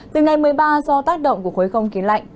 từ ngày một mươi ba do tác động của khối không khí lạnh